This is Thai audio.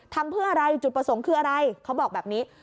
ทำเพื่ออะไรจุดประสงค์คืออะไรเขาบอกแบบนี้